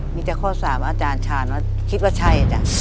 มีแต่ข้อ๓อาจารย์ชาญว่าคิดว่าใช่จ้ะ